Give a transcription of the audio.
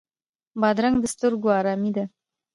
بادرنګ د سترګو آرامي ده.